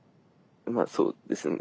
まあそうですね。